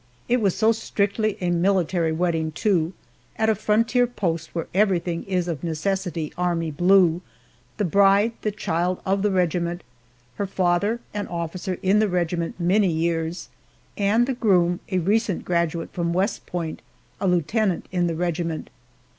It was so strictly a military wedding, too at a frontier post where everything is of necessity "army blue" the bride a child of the regiment, her father an officer in the regiment many years, and the groom a recent graduate from West Point, a lieutenant in the regiment.